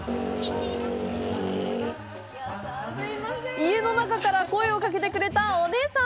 家の中から声をかけてくれたお姉さん！